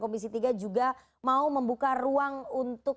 komisi tiga juga mau membuka ruang untuk